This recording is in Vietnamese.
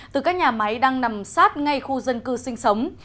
từ các nhà máy đang nằm sát ngay khu dân cư sinh sống